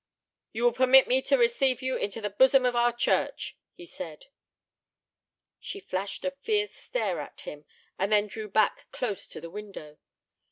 "You will permit me to receive you into the bosom of our church," he said. She flashed a fierce stare at him, and then drew back close to the window.